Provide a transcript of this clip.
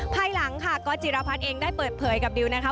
ภายหลังค่ะก๊อตจิรพัฒน์เองได้เปิดเผยกับดิวนะคะ